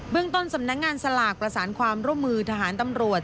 เรื่องต้นสำนักงานสลากประสานความร่วมมือทหารตำรวจ